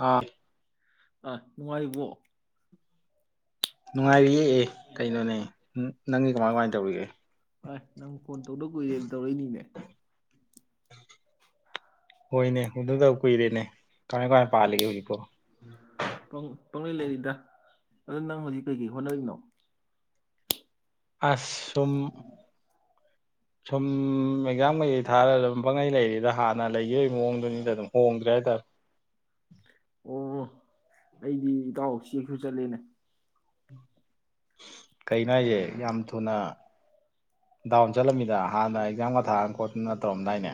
ꯍꯥꯥ ꯑꯥ ꯅꯨꯡꯉꯥꯏꯔꯤꯕꯣ ꯅꯨꯡꯉꯥꯏꯔꯤꯌꯦ ꯑꯦ ꯀꯩꯅꯣꯅꯦ ꯅꯪꯒꯤ ꯀꯃꯥꯏ ꯀꯃꯥꯏ ꯇꯧꯔꯤꯒꯦ ꯑ ꯅꯪ ꯐꯣꯟ ꯇꯧꯗ ꯀꯨꯏꯔꯦ ꯇꯧꯔꯛꯏꯅꯤꯅꯦ ꯍꯣꯏꯅꯦ ꯎꯅꯗꯕ ꯀꯨꯏꯔꯦꯅꯦ ꯀꯃꯥꯏ ꯀꯃꯥꯏ ꯄꯥꯜꯂꯤꯒꯦ ꯍꯧꯖꯤꯛꯄꯣ ꯄꯪꯂꯩ ꯂꯩꯔꯤꯗ ꯑꯗꯨ ꯅꯪ ꯍꯧꯖꯤꯛ ꯀꯩꯀꯩ ꯍꯣꯠꯅꯔꯤꯅꯣ ꯑꯁ ꯁꯨꯝ ꯁꯨꯝ ꯑꯦꯛꯖꯥꯡ ꯀꯩ ꯀꯩ ꯊꯥꯔꯒ ꯑꯗꯨꯝ ꯄꯪꯂꯩ ꯂꯩꯔꯤꯗ ꯍꯥꯟꯅ ꯂꯩꯒꯕꯩ ꯃꯑꯣꯡꯗꯨꯅꯤꯗ ꯑꯗꯨꯝ ꯍꯣꯡꯗ꯭ꯔꯦ ꯍꯥꯏꯇꯥꯔꯦ ꯑꯣ ꯑꯩꯗꯤ ꯏꯇꯥꯎ ꯆꯦꯛ ꯁꯨ ꯆꯠꯂꯦꯅꯦ ꯀꯩꯅꯣ ꯍꯥꯏꯁꯦ ꯌꯥꯝ ꯊꯨꯅ ꯗꯥꯎꯟ ꯆꯠꯂꯝꯃꯤꯗ ꯍꯥꯟꯅ ꯑꯦꯛꯖꯥꯝꯒ ꯊꯥꯅ ꯈꯣꯠꯠꯇꯅ ꯇꯧꯔꯝꯗꯥꯏꯅꯦ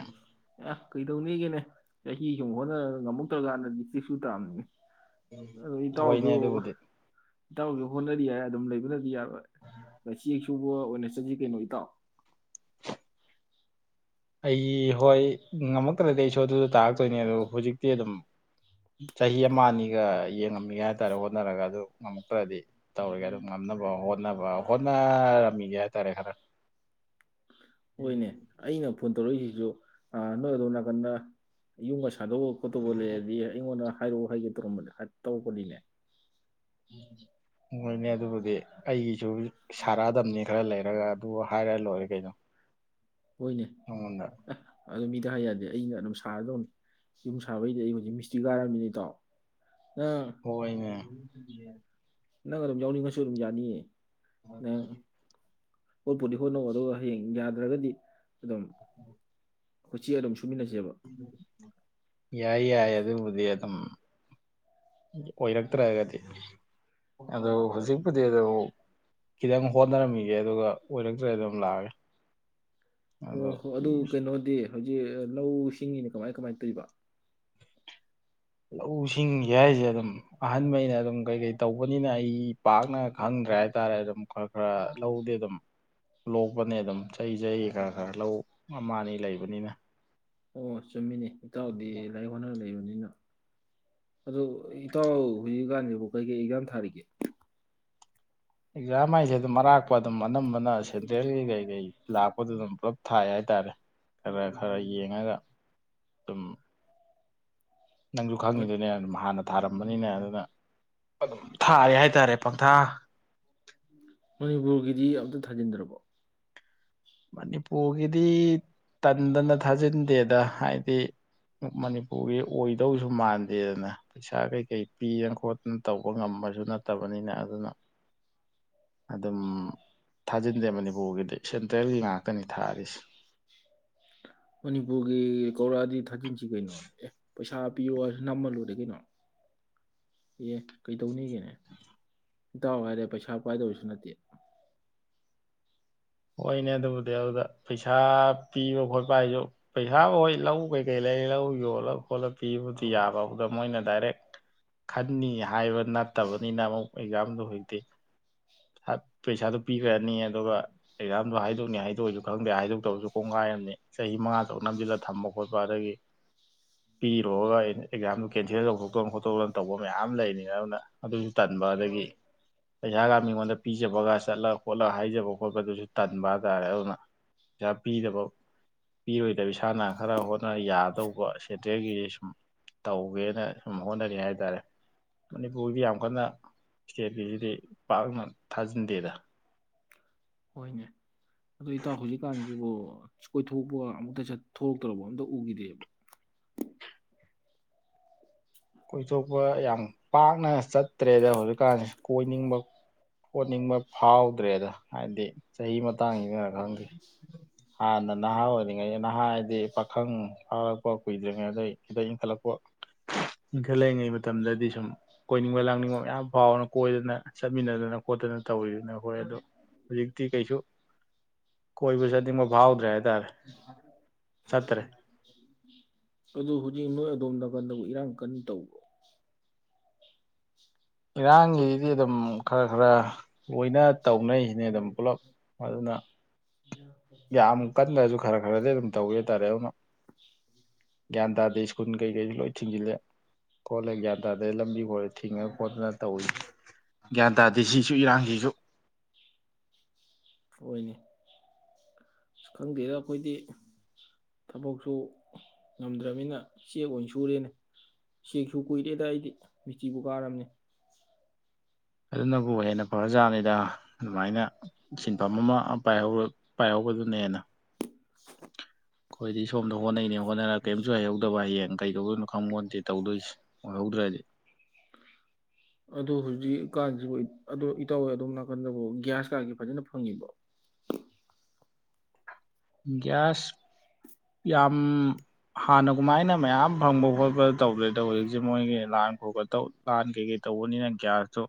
ꯑꯦ ꯀꯩꯗꯧꯅꯤꯒꯦꯅꯦ ꯆꯍꯤ ꯁꯨꯝ ꯍꯣꯠꯅꯔ ꯉꯝꯃꯛꯇ꯭ꯔꯀꯥꯟꯗꯗꯤ ꯆꯤꯛ ꯁꯨ ꯇꯥꯝꯅꯤ ꯑꯣ ꯍꯣꯏꯅꯦ ꯏꯇꯥꯎꯁꯨ ꯑꯗꯨꯕꯨꯗꯤ ꯏꯇꯥꯎꯁꯨ ꯍꯣꯠꯅꯔꯤ ꯍꯥꯏ ꯑꯗꯨꯝ ꯂꯩ [unintelligible] ꯃꯁꯤ ꯎ ꯁꯨꯕ ꯑꯣꯏꯅ ꯆꯠꯁꯤ ꯀꯩꯅꯣ ꯏꯇꯥꯎ ꯑꯩ ꯍꯣꯏ ꯉꯝꯃꯛꯇ꯭ꯔꯗꯤ ꯑꯩ ꯁꯣ ꯑꯗꯨꯗ ꯇꯥꯔꯛꯇꯣꯏꯅꯦ ꯑꯗꯨꯗ ꯍꯧꯖꯤꯛꯇꯤ ꯑꯗꯨꯝ ꯆꯍꯤ ꯑꯃ ꯑꯅꯤꯒ ꯌꯦ ꯉꯝꯃꯤꯒꯦ ꯍꯥꯏꯇꯥꯔꯦ ꯍꯣꯠꯅꯔꯒ ꯑꯗꯨ ꯉꯝꯃꯛꯇ꯭ꯔꯗꯤ ꯇꯧꯔꯒꯦ ꯑꯗꯨ ꯉꯝꯅꯕ ꯍꯣꯠꯅꯕ ꯍꯣꯠꯅꯔꯝꯒꯤꯒꯦ ꯍꯥꯏ ꯇꯔꯦ ꯈꯔ ꯍꯣꯏꯅꯦ ꯑꯩꯅ ꯐ ꯇꯧꯔꯛꯏꯁꯤꯁꯨ ꯅꯣꯏ ꯑꯗꯣ ꯅꯥꯀꯟꯗ ꯌꯨꯝꯒ ꯁꯥꯗꯣꯛꯑ ꯈꯣꯠꯇꯧꯕ ꯂꯩꯔꯗꯤ ꯑꯩꯉꯣꯟꯗ ꯍꯥꯏꯔꯛꯑꯣ ꯍꯥꯏꯒꯦ ꯇꯧꯔꯝꯕꯗ ꯇꯧꯔꯛꯄꯅꯤꯅꯦ ꯍꯣꯏꯅꯦ ꯑꯗꯨꯕꯨꯗꯤ ꯑꯩꯒꯤꯁꯨ ꯁꯥꯔꯛꯑꯗꯕꯅꯤ ꯈꯔ ꯂꯩꯔꯒ ꯑꯗꯨ ꯍꯥꯏꯔ ꯂꯣꯏꯔꯦ ꯀꯩꯅꯣ ꯍꯣꯏꯅꯦ ꯅꯪꯉꯣꯟꯗ ꯑꯗꯣ ꯃꯤ ꯀ ꯍꯥꯏ ꯌꯥꯗꯦ ꯑꯩꯅ ꯑꯗꯨꯝ ꯁꯥꯔꯗꯧꯅꯤ ꯌꯨꯝ ꯁꯥꯕꯩꯗꯤ ꯑꯩ ꯍꯧꯖꯤꯛ ꯃꯤꯁꯇꯤ ꯀꯥꯔꯕꯝꯅꯤꯅꯦ ꯏꯇꯥꯎ ꯅꯪ ꯍꯣꯏꯅꯦ ꯅꯪ ꯑꯗꯨꯝ ꯌꯥꯎꯅꯤꯉꯁꯨ ꯑꯗꯨꯝ ꯌꯥꯅꯤꯌꯦ ꯅꯪ [unintelligible] ꯍꯣꯠꯄꯨꯗꯤ ꯍꯣꯠꯅꯧ ꯑꯗꯨꯒ ꯍꯌꯦꯡ ꯌꯥꯗ꯭ꯔꯒꯗꯤ ꯑꯗꯨꯝ ꯀꯣꯆꯤ ꯑꯗꯨꯝ ꯁꯨꯃꯤꯟꯅꯁꯦꯕ ꯌꯥꯏ ꯌꯥꯏ ꯑꯗꯨꯕꯨꯗꯤ ꯑꯗꯨꯝ ꯑꯣꯏꯔꯛꯇ꯭ꯔꯒꯗꯤ ꯑꯗꯨ ꯍꯧꯖꯤꯛꯄꯨꯗꯤ ꯑꯗꯨ ꯈꯤꯇꯪ ꯍꯣꯠꯅꯔꯝꯃꯤꯒꯦ ꯑꯗꯨꯒ ꯑꯣꯏꯔꯛꯇ꯭ꯔ ꯑꯗꯨꯝ ꯂꯥꯛꯑꯒꯦ ꯑꯣ ꯑꯗꯣ ꯍꯣ ꯑꯗꯨ ꯀꯩꯅꯣꯗꯤ ꯍꯧꯖꯤꯛ ꯂꯧ ꯁꯤꯡꯒꯤꯅ ꯀꯃꯥꯏ ꯀꯃꯥꯏ ꯇꯧꯋꯤꯏꯕ ꯂꯧꯁꯤꯡꯒꯤ ꯍꯥꯏꯁꯦ ꯑꯗꯨꯝ ꯑꯍꯟꯕꯅꯤꯅ ꯑꯗꯨꯝ ꯀꯩ ꯀꯩ ꯇꯧꯕꯅꯤꯅ ꯑꯩ ꯄꯥꯛꯅ ꯈꯪꯗ꯭ꯔꯦ ꯍꯥꯏꯇꯥꯔꯦ ꯑꯗꯨꯝ ꯈꯔ ꯈꯔ ꯂꯧꯗꯤꯗꯨꯝ ꯂꯣꯛꯄꯅꯦ ꯗꯨꯝ ꯆ ꯆꯍꯤ ꯈꯔ ꯈꯔ ꯂꯧ ꯑꯃꯥꯅꯤ ꯂꯩꯕꯅꯤꯅ ꯑꯣꯁ ꯆꯨꯝꯃꯤꯅꯤ ꯏꯇꯥꯎꯗꯤ ꯂꯥꯏꯔꯤꯛ ꯍꯣꯠꯅꯔꯒ ꯂꯩꯕꯅꯤꯅ ꯑꯗꯨ ꯏꯇꯥꯎ ꯍꯨꯖꯤꯛꯀꯥꯟ ꯑꯣ ꯀꯩꯀꯩ ꯑꯦꯛꯖꯥꯝ ꯊꯥꯔꯤꯒꯦ ꯑꯦꯛꯖꯥꯝ ꯍꯥꯏꯁꯦꯗꯨꯝ ꯑꯔꯥꯛꯄꯗꯨꯝ ꯑꯅꯝꯕꯅ ꯁꯦꯟꯇ꯭ꯔꯦꯜꯒꯤ ꯀꯩꯀꯩ ꯂꯥꯛꯄꯗꯨꯗꯨꯝ ꯄꯨꯂꯞ ꯊꯥꯌꯏ ꯍꯥꯏꯇꯔꯦ ꯈꯔ ꯈꯔ ꯌꯦꯡꯉꯒ ꯗꯨꯝ ꯅꯪꯁꯨ ꯈꯪꯉꯤꯗꯨꯅꯤ ꯑꯗꯨꯝ ꯍꯥꯟꯅ ꯊꯥꯔꯝꯕꯅꯤꯅ ꯑꯗꯨꯝ ꯊꯥꯔꯦ ꯍꯥꯏꯇꯔꯦ ꯄꯪꯊꯥ ꯃꯅꯤꯄꯨꯔꯒꯤꯗꯤ ꯑꯝꯇ ꯊꯥꯖꯤꯟꯗ꯭ꯔꯕꯣ ꯃꯅꯤꯄꯨꯔꯒꯤꯗꯤ ꯇꯟꯗꯅ ꯊꯥꯖꯤꯟꯗꯦꯗ ꯍꯥꯏꯗꯤ ꯃꯅꯤꯄꯨꯔꯒꯤ ꯑꯣꯏꯗꯧꯁꯨ ꯃꯥꯟꯗꯦꯅ ꯄꯩꯁꯥ ꯀꯩꯀꯩ ꯄꯤ ꯈꯣꯠꯇꯅ ꯇꯧꯕ ꯉꯝꯕꯁꯨ ꯅꯠꯇꯕꯅꯤꯅ ꯑꯗꯨꯅ ꯑꯗꯨꯝ ꯊꯥꯖꯤꯟꯗꯦ ꯃꯅꯤꯄꯨꯔꯒꯤꯗꯤ ꯁꯦꯟ ꯇꯔ꯭ꯦꯜ ꯉꯥꯛꯇꯅꯤ ꯊꯥꯔꯤꯁꯤ ꯃꯅꯤꯄꯨꯔꯒꯤ ꯀꯧꯔꯛꯑꯗꯤ ꯊꯥꯖꯤꯟꯁꯤ ꯀꯩꯅꯣ ꯑꯦ ꯄꯩꯁꯥ ꯄꯤꯌꯣꯍꯏꯁꯨ ꯅꯝꯃꯂꯣꯏꯔꯦ ꯀꯩꯅꯣ ꯑꯦ ꯀꯩꯗꯧꯅꯤꯒꯦꯅꯦ ꯏꯇꯥꯎ ꯍꯥꯏꯔꯦ ꯄꯩꯁꯥ ꯄꯥꯏꯗꯕꯁꯨ ꯅꯠꯇꯦ ꯍꯣꯏꯅꯦ ꯑꯗꯨꯕꯨꯗꯤ ꯑꯗꯨꯗ ꯄꯩꯁꯥ ꯄꯤꯕ ꯈꯣꯠꯄ ꯍꯥꯏꯁꯨ ꯄꯩꯁꯥ ꯍꯣꯏ ꯂꯧ ꯀꯩꯀꯩ ꯂꯩ ꯂꯧ ꯌꯣꯜꯂ ꯈꯣꯠꯂ ꯄꯤꯕꯗꯤ ꯌꯥꯕ ꯑꯗꯨꯗ ꯃꯣꯏꯅ ꯗꯥꯏꯔꯦꯛ ꯈꯟꯅꯤ ꯍꯥꯏꯕ ꯅꯠꯇꯕꯅꯤꯅ ꯑꯃꯨꯛ ꯑꯦꯛꯖꯥꯝꯗꯨ ꯍꯨꯖꯤꯛꯇꯤ ꯄꯩꯁꯥꯗꯨ ꯄꯤꯈ꯭ꯔꯅꯤ ꯑꯗꯨꯒ ꯑꯦꯛꯖꯥꯝꯗꯨ ꯍꯥꯏꯗꯣꯛꯅꯤ ꯍꯥꯏꯗꯣꯛꯑꯣꯏꯁꯨ ꯈꯪꯗꯦ ꯍꯥꯏꯗꯣꯛꯇꯕꯁꯨ ꯀꯣꯡꯈꯥꯏꯑꯝꯅꯤ ꯆꯍꯤ ꯃꯉꯥ ꯇꯔꯨꯛ ꯅꯝꯁꯤꯜꯂ ꯊꯝꯕ ꯈꯣꯠꯄ ꯑꯗꯒꯤ ꯄꯤꯔꯣꯒ ꯑꯦꯛꯖꯥꯝꯗꯨ ꯀꯦꯟꯁꯦꯜ ꯇꯧꯊꯣꯛꯇꯣ ꯈꯣꯠꯇꯣꯛ ꯇꯧꯕ ꯃꯌꯥꯝ ꯂꯩꯅꯤꯅ ꯑꯗꯨꯅ ꯑꯗꯨꯁꯨ ꯇꯟꯕ ꯑꯗꯒꯤ ꯄꯩꯁꯥꯒ ꯃꯤꯉꯣꯟꯗ ꯄꯤꯖꯕꯒ ꯆꯠꯂ ꯈꯣꯠꯂꯒ ꯍꯥꯏꯖꯕ ꯈꯣꯠꯄꯗꯨꯁꯨ ꯇꯟꯕ ꯍꯥꯏꯇꯥꯔꯦ ꯑꯗꯨꯅ ꯄꯩꯁꯥ ꯄꯤꯗꯕ ꯄꯤꯔꯣꯏꯗꯕ ꯏꯁꯥꯅ ꯈꯔ ꯍꯣꯠꯅ ꯌꯥꯗꯧꯕ ꯁꯦꯟꯇ꯭ꯔꯦꯜꯒꯤ ꯁꯨꯝ ꯇꯧꯒꯦꯅ ꯁꯨꯝ ꯍꯣꯠꯅꯔꯤ ꯍꯥꯏ ꯇꯥꯔꯦ ꯃꯅꯤꯄꯨꯔꯒꯤꯗꯤ ꯌꯥꯝ ꯀꯟꯅ ꯏꯁꯇꯦꯠꯀꯤꯁꯤꯗꯤ ꯄꯥꯛꯅ ꯊꯥꯖꯤꯟꯗꯦꯗ ꯑꯗꯨ ꯏꯇꯥꯎ ꯍꯧꯖꯤꯛ ꯀꯥꯟꯁꯤꯕꯨ ꯀꯣꯏꯊꯣꯛꯄ ꯑꯃꯨꯛꯇ ꯆꯠꯊꯣꯛꯇ꯭ꯔꯕ ꯑꯝꯇ ꯎꯈꯤꯗꯦꯕ ꯀꯣꯏꯊꯣꯛꯄ ꯌꯥꯝ ꯄꯥꯛꯅ ꯆꯠꯇ꯭ꯔꯦꯗ ꯍꯧꯖꯤꯛꯀꯥꯟꯁꯤ ꯀꯣꯏꯅꯤꯡꯕ ꯈꯣꯠꯅꯤꯡꯕ ꯐꯥꯎꯗ꯭ꯔꯦꯗ ꯍꯥꯏꯗꯤ ꯆꯍꯤ ꯃꯇꯥꯡꯁꯤꯅꯔ ꯈꯪꯗꯦ ꯍꯥꯟꯅ ꯅꯍꯥ ꯑꯣꯏꯔꯤꯉꯩ ꯅꯍꯥ ꯍꯥꯏꯗꯤ ꯄꯈꯪ ꯐꯥꯔꯛꯄ ꯀꯨꯏꯗ꯭ꯔꯤꯉꯩ ꯑꯗꯩ ꯗꯩ ꯏꯡꯈꯠꯂꯛꯄ ꯏꯟꯈꯠꯂꯛꯏꯉꯩ ꯃꯇꯝꯗꯗꯤ ꯁꯨꯝ ꯀꯣꯏꯅꯤꯡꯕ ꯂꯥꯡꯅꯤꯡꯕ ꯃꯌꯥꯝ ꯐꯥꯎꯅ ꯀꯣꯏꯗꯅ ꯆꯠꯃꯤꯟꯅꯗꯅ ꯈꯣꯠꯇꯅ ꯇꯧꯔꯤꯗꯨꯅ ꯑꯈꯣꯏꯑꯗꯨ ꯍꯧꯖꯤꯛꯇꯤ ꯀꯩꯁꯨ ꯀꯣꯏꯕ ꯆꯠꯅꯤꯡꯕ ꯐꯥꯎꯗ꯭ꯔꯦ ꯍꯥꯏꯇꯥꯔꯦ ꯆꯠꯇ꯭ꯔꯦ ꯑꯗꯨ ꯍꯨꯖꯤꯛ ꯅꯣꯏ ꯑꯗꯣꯝꯗ ꯅꯀꯟꯗꯕꯨ ꯏꯔꯥꯡ ꯀꯟ ꯇꯧꯕꯣ ꯏꯔꯥꯡꯒꯤꯗꯤ ꯑꯗꯨꯝ ꯈꯔ ꯈꯔ ꯂꯣꯏꯅ ꯇꯧꯅꯩꯁꯤꯅꯤ ꯑꯗꯨꯝ ꯄꯨꯜꯂꯞ ꯑꯗꯨꯅ ꯌꯥꯝ ꯀꯟꯗ꯭ꯔꯁꯨ ꯈꯔ ꯈꯔꯗꯤ ꯑꯗꯨꯝ ꯇꯧꯋꯦ ꯍꯥꯏꯇꯥꯔꯦ ꯑꯗꯨꯅ ꯒ꯭ꯌꯥꯟ ꯇꯥꯗꯦ ꯁ꯭ꯀꯨꯜ ꯀꯩꯀꯩꯁꯨ ꯂꯣꯏ ꯊꯤꯡꯖꯤꯜꯂꯦ ꯈꯣꯠꯂꯦ ꯒ꯭ꯌꯥꯟ ꯇꯥꯗꯦ ꯂꯝꯕꯤ ꯈꯔ ꯊꯤꯡꯉ ꯈꯣꯠꯇꯅ ꯇꯧꯏꯤ ꯒ꯭ꯌꯥꯟ ꯇꯥꯗꯦ ꯁꯤꯁꯨ ꯏꯔꯥꯡꯁꯤꯁꯨ ꯍꯣꯏꯅꯦ ꯈꯪꯗꯦꯗ ꯑꯈꯣꯏꯗꯤ ꯊꯕꯛꯁꯨ ꯉꯝꯗ꯭ꯔꯕꯅꯤꯅ ꯆꯦꯛ ꯑꯣꯏꯅ ꯁꯨꯔꯦꯅꯦ ꯆꯦꯛꯁꯨ ꯀꯨꯏꯔꯦꯗ ꯑꯩꯗꯤ ꯃꯤꯇꯤꯕꯨ ꯀꯥꯔꯕꯅꯦ ꯑꯗꯨꯅꯕꯨ ꯍꯦꯟꯅ ꯐꯔ ꯖꯥꯠꯅꯤꯗ ꯑꯗꯨꯃꯥꯏꯅ ꯁꯤꯟꯐꯝ ꯑꯃ ꯄꯏ ꯄꯥꯏꯍꯧꯕꯗꯨꯅ ꯍꯦꯟꯅ ꯈꯣꯏꯗꯤ ꯁꯣꯝꯗ ꯍꯣꯠꯅꯩꯅꯦ ꯍꯣꯠꯅꯔꯒ ꯀꯦꯝꯁꯨ ꯍꯩꯍꯧꯗꯕ ꯍꯌꯦꯡ ꯀꯩꯗꯧꯗꯣꯏꯅꯣ ꯈꯪꯄꯣꯟꯇꯦ ꯇꯧꯗꯣꯏꯁꯤ ꯑꯣꯏꯍꯧꯗ꯭ꯔꯗꯤ ꯑꯗꯨ ꯍꯨꯖꯤꯛ ꯀꯥꯟꯁꯤꯕꯨ ꯏꯠ ꯑꯗꯨ ꯏꯇꯥꯎ ꯑꯗꯣꯝ ꯅꯥꯀꯟꯗꯕꯨ ꯒ꯭ꯌꯥꯁ ꯀꯥꯒꯤ ꯐꯖꯅ ꯐꯪꯉꯤꯕꯣ ꯒꯌꯥꯁ ꯌꯥꯝ ꯍꯥꯟꯅ ꯒꯨꯃꯥꯏꯅ ꯃꯌꯥꯝ ꯐꯪꯕ ꯈꯣꯠꯄ ꯇꯧꯗ꯭ꯔꯦꯗꯣ ꯍꯧꯖꯤꯛꯁꯤ ꯃꯣꯏꯒꯤ ꯂꯥꯟ ꯈ ꯇꯧ ꯂꯥꯟ ꯀꯩꯀꯩ ꯇꯧꯕꯅꯤꯅ ꯒ꯭ꯌꯥꯁꯇꯨ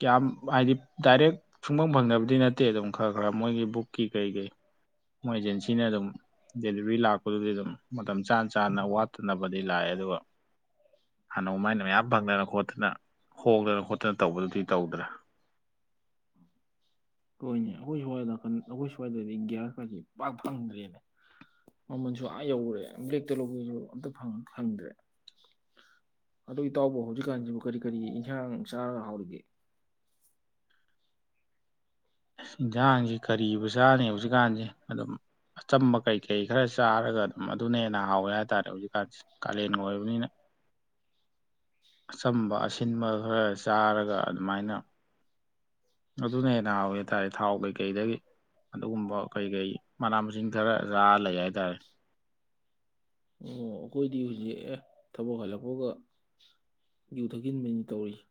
ꯀꯌꯥꯝ ꯍꯥꯏꯗꯤ ꯗꯥꯏꯔꯦꯛ ꯁꯨꯡꯐꯐꯪꯗꯕꯗꯤ ꯅꯠꯇꯦ ꯗꯨꯝ ꯈꯔ ꯈꯔ ꯃꯣꯏꯒꯤ ꯕꯨꯛꯀꯤ ꯀꯩ ꯀꯩ ꯃꯣꯏꯖꯦꯟꯁꯤ ꯁꯤꯅꯗꯨꯝ ꯗꯦꯂꯤꯚꯔꯤ ꯍꯣꯏꯅꯦ ꯑꯈꯣꯏ ꯁ꯭ꯋꯥꯏ ꯅꯥꯀꯟ ꯑꯈꯣꯏ ꯁ꯭ꯋꯥꯏꯗꯗꯤ ꯒ꯭ꯌꯥꯁ ꯀꯁꯤ ꯄꯥꯛ ꯐꯪꯗ꯭ꯔꯦꯅꯦ ꯃꯃꯜꯁꯨ ꯑꯥ ꯌꯧꯔꯦ ꯕ꯭ꯂꯦꯛꯇ ꯂꯧꯕꯁꯨ ꯑꯝꯇ ꯐꯪ-ꯐꯪꯗ꯭ꯔꯦ ꯑꯗꯨ ꯏꯇꯥꯎꯕꯨ ꯍꯧꯖꯤꯛꯀꯥꯟꯁꯤꯕꯨ ꯀꯔꯤ ꯀꯔꯤ ꯏꯟꯁꯥꯡ ꯆꯥꯔ ꯍꯥꯎꯔꯤꯒꯦ ꯏꯟꯁꯥꯡꯁꯤ ꯀꯔꯤꯕꯨꯆꯥꯅꯤ ꯍꯧꯖꯤꯛꯀꯥꯟꯖꯦ ꯑꯗꯨꯝ ꯑꯆꯝꯕ ꯀꯩꯀꯩ ꯈꯔ ꯆꯥꯔꯒ ꯑꯗꯨꯝ ꯑꯗꯨꯅꯦꯅ ꯍꯦꯟꯅ ꯍꯥꯎꯋꯦ ꯍꯥꯏꯇꯥꯔꯦ ꯍꯧꯖꯤꯛꯀꯥꯟꯁꯤ ꯀꯥꯂꯦꯟꯒ ꯑꯣꯏꯕꯅꯤꯅ ꯑꯆꯝꯕ ꯑꯁꯤꯟꯕ ꯈꯔ ꯆꯥꯔꯒ ꯑꯗꯨꯃꯥꯏꯅ ꯑꯗꯨꯅ ꯍꯦꯟꯅ ꯍꯥꯎꯋꯦ ꯍꯥꯏꯇꯔꯦ ꯊꯥꯎ ꯀꯩ-ꯀꯩꯗꯒꯤ ꯑꯗꯨꯒꯨꯝꯕ ꯀꯩꯀꯩ ꯃꯅꯥ ꯃꯁꯤꯡ ꯈꯔ ꯆꯥꯔ ꯂꯩ ꯍꯥꯏꯇꯔꯦ ꯑꯣ ꯑꯩꯈꯣꯏꯗꯤ ꯍꯧꯖꯤꯛ ꯑꯦ ꯊꯕꯛ ꯍꯜꯂꯛꯄꯒ ꯌꯨ ꯊꯛꯆꯤꯟꯕꯅꯤ ꯇꯧꯔꯤꯁꯦ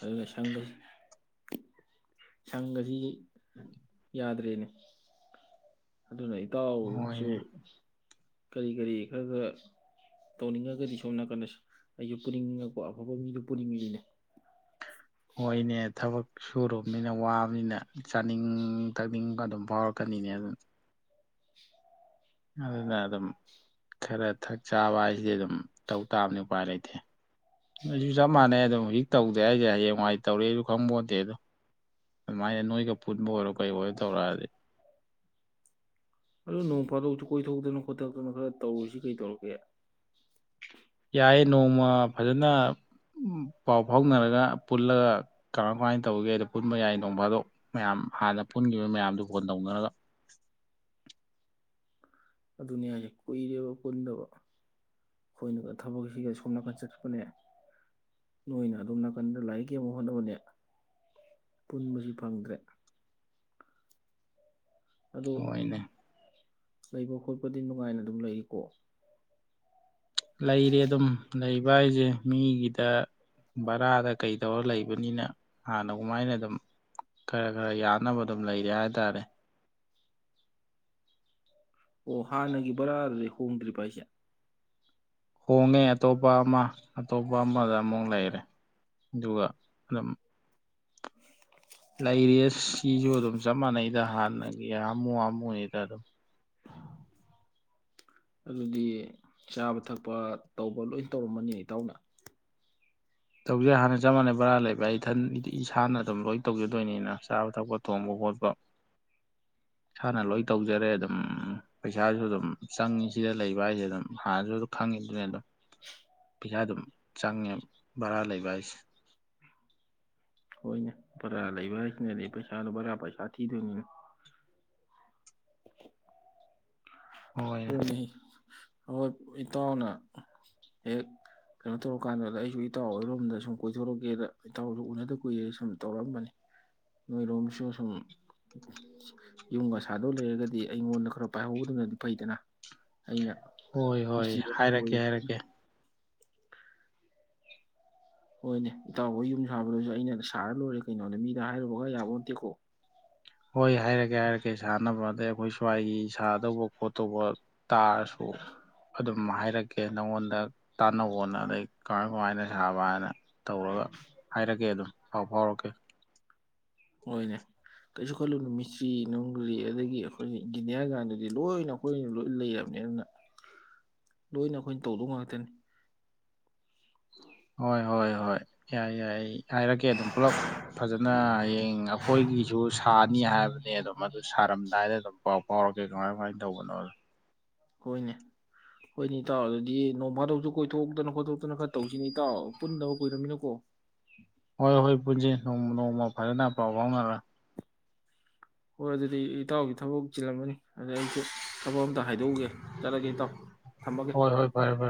ꯑꯗꯨꯅ ꯁꯪꯒꯁꯤ ꯁꯪꯒꯖꯤ ꯎꯝ ꯌꯥꯗ꯭ꯔꯦꯅꯦ꯫ ꯑꯗꯨꯅ ꯏꯇꯥꯎ ꯁꯨ ꯍꯣꯏꯅꯦ ꯀꯔꯤ ꯀꯔꯤ ꯈꯔ ꯈꯔ ꯇꯧꯅꯤꯡꯉꯒꯗꯤ ꯁꯣꯝꯅꯥꯀꯟꯗ ꯑꯩꯖꯨ ꯄꯨꯅꯤꯡꯉꯛꯄ ꯑꯐꯕ ꯃꯤꯗꯨ ꯄꯨꯅꯤꯡꯉꯤꯅꯤꯅꯦ꯫ ꯍꯣꯏꯅꯦ ꯊꯕꯛ ꯁꯨꯔꯨꯕꯅꯤꯅ ꯋꯥꯕꯅꯤꯅ ꯆꯥꯅꯤꯡ ꯊꯛꯅꯤꯡꯕ ꯑꯗꯨꯝ ꯐꯥꯎꯔꯛꯀꯅꯤꯅꯦ ꯑꯗꯨꯅ ꯑꯗꯨꯅ ꯑꯗꯨꯝ ꯈꯔ ꯊꯛ ꯆꯥꯕ ꯍꯥꯏꯁꯤꯗꯤ ꯑꯗꯨꯝ ꯇꯧ ꯇꯥꯕꯅꯤ ꯎꯄꯥꯏ ꯂꯩꯇꯦ ꯑꯩꯖꯨ ꯆꯞ ꯃꯥꯟꯅꯩ ꯑꯗꯨꯝ ꯍꯧꯖꯤꯛ ꯇꯧꯗꯦ ꯍꯥꯏꯖꯦ ꯍꯌꯦꯡꯋꯥꯏ ꯇꯧꯔꯛꯑꯦꯁꯨ ꯈꯪꯄꯣꯟꯇꯦ ꯑꯗꯨꯝ꯫ ꯑꯗꯨꯃꯥꯏꯅ ꯅꯣꯏꯒ ꯄꯨꯟꯕ ꯑꯣꯏꯔꯣ ꯀꯩ ꯑꯣꯏꯔꯣ ꯇꯧꯔꯛꯑꯗꯤ ꯑꯗꯨ ꯅꯣꯡ ꯐꯥꯗꯣꯛꯁꯨ ꯀꯣꯏꯊꯣꯛꯇꯅ ꯈꯣꯠꯇꯛꯇꯅ ꯈꯔ ꯇꯧꯔꯨꯁꯤ ꯀꯩ ꯇꯧꯔꯒꯦ ꯌꯥꯏꯌꯦ ꯅꯣꯡꯃ ꯐꯖꯅ ꯄꯥꯎ ꯐꯥꯎꯅꯔꯒ ꯄꯨꯜꯂꯓ ꯀꯔꯥꯏ ꯀꯃꯥꯏꯅ ꯇꯧꯒꯦꯗꯣ ꯄꯨꯟꯕ ꯌꯥꯏ ꯅꯣꯡꯐꯥꯗꯣꯛ ꯃꯌꯥꯝ ꯍꯥꯟꯅ ꯄꯨꯟꯈꯤꯕ ꯃꯌꯥꯝꯗꯨ ꯀꯣꯟ ꯇꯧꯅꯔꯒ ꯑꯗꯨꯅꯦꯍꯥꯏꯖꯦ ꯀꯨꯏ ꯑꯩꯈꯣꯏꯅꯒ ꯊꯕꯛꯁꯤꯒ ꯁꯣꯝ ꯅꯥꯀꯟ ꯆꯠꯄꯅꯦ ꯅꯣꯏꯅ ꯑꯗꯣꯝ ꯅꯥꯀꯟꯗ ꯂꯥꯏꯔꯤꯛ ꯌꯦꯡꯕ ꯍꯣꯠꯅꯕꯅꯦ ꯄꯨꯟꯕꯁꯤ ꯐꯪꯗ꯭ꯔꯦ꯫ ꯑꯗꯣ ꯍꯣꯏꯅꯦ ꯂꯩꯕ ꯈꯣꯠꯄꯗꯤ ꯅꯨꯡꯉꯥꯏꯅ ꯑꯗꯨꯝ ꯂꯩꯔꯤꯀꯣ? ꯂꯩꯔꯦ ꯑꯗꯨꯝ ꯂꯩꯕ ꯍꯥꯏꯖꯦ ꯃꯤꯒꯤꯗ ꯕꯔꯥꯗ ꯀꯩ ꯇꯧꯔ ꯂꯩꯕꯅꯤꯅ ꯍꯥꯟꯅ ꯀꯃꯥꯏꯅ ꯑꯗꯨꯝ ꯈꯔ ꯈꯔ ꯌꯥꯅꯕ ꯑꯗꯨꯝ ꯂꯩꯔꯦ ꯍꯥꯏꯇꯥꯔꯦ꯫ ꯑꯣ ꯍꯥꯟꯅꯒꯤ ꯕꯥꯔꯥꯗꯗꯤ ꯍꯣꯡꯗ꯭ꯔꯤꯕ ꯑꯩꯁꯦ? ꯍꯣꯡꯉꯦ ꯑꯇꯣꯞꯄ ꯑꯃ ꯑꯇꯣꯞꯄ ꯑꯃꯗ ꯑꯃꯨꯛ ꯂꯩꯔꯦ ꯑꯗꯨꯒ ꯑꯗꯨꯝ ꯂꯩꯔꯤꯌꯦ ꯁꯤꯖꯨ ꯑꯗꯨꯝ ꯆꯞ ꯃꯥꯟꯅꯩꯗ ꯍꯥꯟꯅꯒꯤ ꯍꯥꯃꯨ ꯍꯥꯃꯨꯅꯤꯗ ꯑꯗꯨꯝ꯫ ꯑꯗꯨꯗꯤ ꯆꯥꯕ ꯊꯛꯄ ꯇꯧꯕ ꯂꯣꯏ ꯇꯧꯔꯝꯃꯅꯤ ꯏꯇꯥꯎꯅ? ꯇꯧꯖꯩ ꯍꯥꯟꯅ ꯆꯞ ꯃꯥꯟꯅꯩ ꯕꯔꯥ ꯂꯩꯕ ꯑꯩ ꯏꯊꯟꯗꯤ ꯏꯁꯥꯅ ꯑꯗꯨꯝ ꯂꯣꯏ ꯇꯧꯖꯗꯣꯏꯅꯤꯅ ꯆꯥꯕ ꯊꯛꯄ ꯊꯣꯡꯕ ꯈꯣꯠꯄ ꯏꯁꯥꯅ ꯂꯣꯏ ꯇꯧꯖꯔꯦ ꯑꯗꯨꯝ ꯄꯩꯁꯥꯁꯨ ꯑꯗꯨꯝ ꯆꯪꯉꯤ ꯁꯤꯗ ꯂꯩꯕ ꯍꯥꯏꯖꯦ ꯑꯗꯨꯝ ꯍꯥꯟꯅꯁꯨ ꯑꯗꯨꯝ ꯈꯪꯉꯤꯗꯨꯅꯦ ꯑꯗꯨꯝ ꯄꯩꯁꯥ ꯑꯗꯨꯝ ꯆꯪꯉꯦ꯫ ꯕꯔꯥ ꯂꯩꯕ ꯍꯥꯏꯁꯦ꯫ ꯍꯣꯏꯅꯦ ꯕꯔꯥ ꯂꯩꯕ ꯍꯥꯏꯁꯤꯅꯗꯤ ꯄꯩꯁꯥꯗꯣ ꯕꯔꯥ ꯄꯩꯁꯥ ꯊꯤꯗꯣꯏꯅꯤꯅꯦ꯫ ꯍꯣꯏ ꯅꯦꯍꯦ ꯍꯣꯏ ꯏꯇꯥꯎꯅ ꯍꯦꯛ ꯀꯩꯅꯣ ꯇꯧꯔꯀꯥꯟꯗꯨꯗ ꯑꯩꯁꯨ ꯏꯇꯥꯎ ꯍꯣꯏꯔꯣꯝꯗ ꯁꯨꯝ ꯀꯣꯏꯊꯣꯔꯛꯀꯦꯗ ꯏꯇꯥꯎꯖꯨ ꯎꯅꯗ ꯀꯨꯏꯔꯦ ꯁꯨꯝ ꯇꯧꯔꯛꯑꯝꯕꯅꯤ ꯅꯣꯏꯔꯣꯝꯁꯨ ꯁꯨꯝ ꯌꯨꯝꯒ ꯁꯥꯗꯧ ꯂꯩꯔꯒꯗꯤ ꯑꯩꯉꯣꯟꯗ ꯈꯔ ꯄꯥꯏꯍꯧꯕꯗꯨꯅꯗꯤ ꯐꯩꯗꯅ꯫ ꯑꯩꯅ ꯍꯣꯏ ꯍꯣꯏ ꯃꯤꯁꯇ꯭ꯔꯤ ꯑꯃ ꯑꯣꯏꯔꯨ ꯍꯥꯏꯔꯛꯀꯦ ꯍꯥꯏꯔꯛꯀꯦ꯫ ꯍꯣꯏꯅꯦ ꯏꯇꯥꯎꯍꯣꯏ ꯌꯨꯝ ꯁꯥꯕꯗꯁꯨ ꯑꯩꯅ ꯁꯥꯔ ꯂꯣꯏꯔꯦ ꯀꯩꯅꯣꯅꯦ ꯃꯤꯗ ꯍꯥꯏꯔꯨꯕꯒ ꯌꯥꯕꯣꯟꯇꯦꯀꯣ꯫ ꯍꯣꯏ ꯍꯥꯏꯔꯛꯀꯦ ꯍꯥꯏꯔꯛꯀꯦ ꯁꯥꯥꯟꯅꯕ ꯑꯗꯩ ꯑꯩꯈꯣꯏ ꯁ꯭ꯋꯥꯏꯒꯤ ꯁꯥꯗꯧꯕ ꯈꯣꯠꯇꯧꯕ ꯇꯥꯔꯁꯨ ꯑꯗꯨꯝ ꯍꯥꯏꯔꯛꯀꯦ ꯅꯪꯉꯣꯟꯗ ꯇꯥꯟꯅꯧꯋꯣꯅ ꯑꯗꯩ ꯀꯃꯥꯏ ꯀꯃꯥꯏꯅ ꯁꯥꯕ ꯍꯥꯏꯅ ꯇꯧꯔꯒ ꯍꯥꯏꯔꯛꯀꯦ ꯑꯗꯨꯝ ꯄꯥꯎ ꯐꯥꯎꯔꯛꯀꯦ꯫ ꯍꯣꯏꯅꯦ ꯀꯩꯁꯨ ꯈꯜꯂꯨꯅꯨ ꯃꯤꯁꯇ꯭ꯔꯤ ꯅꯨꯡꯒꯔꯤ ꯑꯗꯒꯤ ꯑꯩꯈꯣꯏꯅ ꯏꯟꯖꯤꯅꯤꯌꯥꯔ ꯀꯥꯟꯗꯨꯗꯤ ꯂꯣꯏꯅ ꯑꯩꯈꯣꯏꯅ ꯂꯣꯏ ꯂꯩꯔꯕꯅꯤ ꯑꯗꯨꯅ ꯂꯣꯏꯅ ꯑꯩꯈꯣꯏꯅ ꯇꯧꯗꯧ ꯉꯥꯛꯇꯅꯤ꯫ ꯍꯣꯏ ꯍꯣꯏ ꯍꯣꯏ ꯌꯥꯏ ꯌꯥꯏ ꯍꯥꯏꯔꯛꯀꯦ ꯑꯗꯨꯝ ꯄꯨꯂꯞ ꯐꯖꯅ ꯍꯌꯦꯡ ꯑꯩꯈꯣꯏꯒꯤꯁꯨ ꯁꯥꯅꯤ ꯍꯥꯏꯕꯅꯦ ꯑꯗꯨꯝ ꯑꯗꯨ ꯁꯥꯔꯝꯗꯥꯏꯗ ꯑꯗꯨꯝ ꯄꯥꯎ ꯐꯥꯎꯔꯛꯀꯦ ꯀꯃꯥꯏ ꯀꯃꯥꯏꯅ ꯇꯧꯕꯅꯣꯗꯣ꯫ ꯍꯣꯏꯅꯦ ꯍꯣꯏꯅꯦ ꯏꯇꯥꯎ ꯑꯗꯨꯗꯤ ꯅꯣꯡꯐꯥꯗꯧꯁꯨ ꯀꯣꯏꯊꯣꯛꯇꯅ ꯈꯣꯠꯇꯣꯛꯇꯅ ꯈꯔ ꯇꯧꯁꯤꯅꯦ ꯏꯇꯥꯎ ꯄꯨꯟꯗꯕ ꯀꯨꯏꯔꯃꯤꯅꯀꯣ? ꯍꯣꯏ ꯍꯣꯏ ꯄꯨꯟꯖꯤ ꯅꯣꯡꯃ ꯅꯣꯡꯃ ꯐꯖꯅ ꯄꯥꯎ ꯐꯥꯎꯅꯔ꯫ ꯍꯣꯏ ꯑꯗꯨꯗꯤ ꯏꯇꯥꯎꯒꯤ ꯊꯕꯛ ꯆꯤꯜꯂꯝꯃꯅꯤ꯫ ꯑꯗ ꯑꯩꯁꯨ ꯊꯕꯛ ꯑꯝꯇ ꯍꯥꯏꯗꯣꯛꯎꯒꯦ ꯆꯠꯂꯒꯦ ꯏꯇꯥꯎ ꯊꯝꯃꯒꯦ꯫ ꯍꯣꯏ ꯍꯣꯏ ꯐꯔꯦ ꯐꯔꯦ